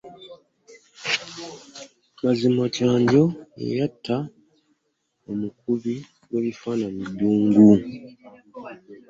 Amazima Kyanjo ye yatta omukubi w'ebifaananyi Ddungu.